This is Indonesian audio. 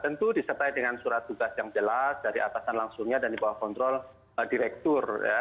tentu disertai dengan surat tugas yang jelas dari atasan langsungnya dan dibawa kontrol direktur